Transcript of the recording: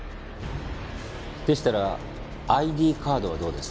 でしたらＩＤカードはどうです？